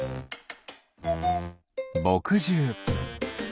ぼくじゅう。